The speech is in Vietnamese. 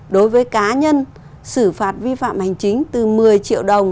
đối với cá nhân xử phạt vi phạm hành chính từ một mươi triệu đồng